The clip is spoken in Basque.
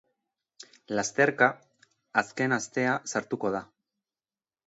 Lasterketa azken astean sartuko da.